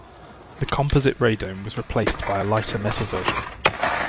The composite radome was replaced by a lighter metal version.